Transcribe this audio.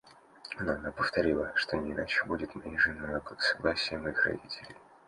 Но она повторила, что не иначе будет моею женою, как с согласия моих родителей.